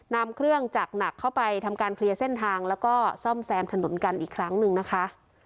นำเครื่องจักรหนักเข้าไปทำการเคลียร์เส้นทางแล้วก็ซ่อมแซมถนนกันอีกครั้งหนึ่งนะคะ